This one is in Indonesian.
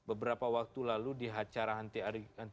beberapa waktu lalu di acara anti korupsi di abu dhabi